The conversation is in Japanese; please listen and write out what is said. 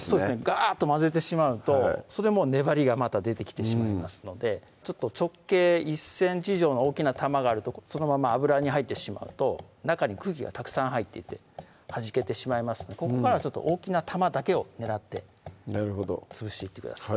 ガーッと混ぜてしまうとそれも粘りがまた出てきてしまいますので直径１ｃｍ以上の大きな玉があるとそのまま油に入ってしまうと中に空気がたくさん入っていてはじけてしまいますのでここから大きな玉だけを狙ってなるほど潰していってください